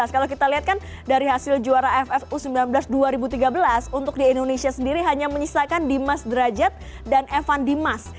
kalau kita lihat kan dari hasil juara ff u sembilan belas dua ribu tiga belas untuk di indonesia sendiri hanya menyisakan dimas derajat dan evan dimas